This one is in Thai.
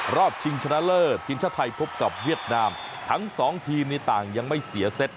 ชิงชนะเลิศทีมชาติไทยพบกับเวียดนามทั้งสองทีมนี้ต่างยังไม่เสียเซต